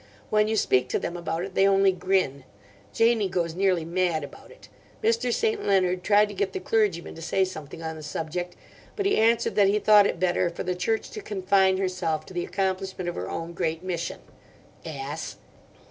When you speak to them about it they only grin. Janie goes nearly mad about it. Mr. St. Leonard tried to get the clergyman to say something on the subject, but he answered that he thought it better 'for the Church to confine herself to the accomplishment of her own great mission.' Ass!